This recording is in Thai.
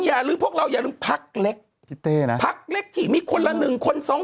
อยากรู้พวกเราอยากรู้ภาคเล็กภาคเล็กนี้มีคนล่ะหนึ่งคนสอง